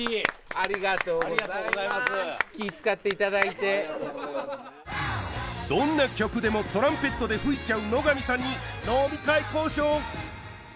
ありがとうございますありがとうございますどんな曲でもトランペットで吹いちゃう野上さんに飲み会交渉！